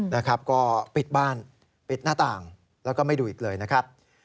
นะครับก็ปิดบ้านปิดหน้าต่างแล้วก็ไม่ดูอีกเลยนะครับ